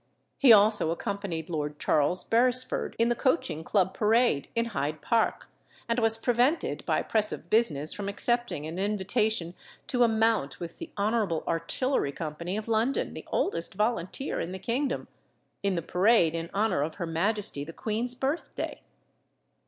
He also accompanied Lord Charles Beresford in the Coaching Club Parade in Hyde Park, and was prevented by press of business from accepting an invitation to a mount with the Honorable Artillery Company of London (the oldest volunteer in the kingdom), in the parade in honor of her majesty the queen's birthday.